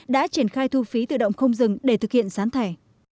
đã triển khai thu phí tự động không dừng để thực hiện sán thẻ